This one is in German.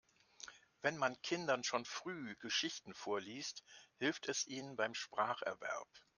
Wenn man Kindern schon früh Geschichten vorliest, hilft es ihnen beim Spracherwerb.